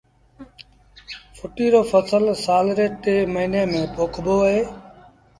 ڦٽيٚ رو ڦسل سآل ري ٽي موهيݩي ميݩ پوکبو اهي